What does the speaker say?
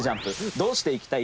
どうしていきたい？」